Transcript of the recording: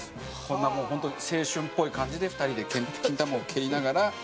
こんなもう本当に青春っぽい感じで２人でキンタマを蹴りながら。